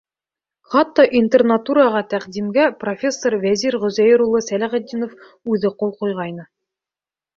Хатта интернатураға тәҡдимгә профессор Вәзир Ғөзәйер улы Сәләхетдинов үҙе ҡул ҡуйғайны.